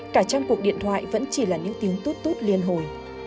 cả trăm cuộc điện thoại vẫn chỉ là những tiếng tút tút liên hồi